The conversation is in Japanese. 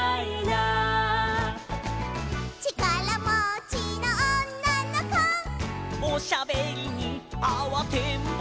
「ちからもちのおんなのこ」「おしゃべりにあわてんぼ」